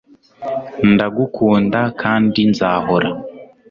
ndagukunda kandi nzahora